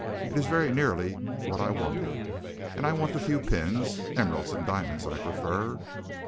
"It is very nearly what I wanted. And I want a few pins emeralds and diamonds I prefer."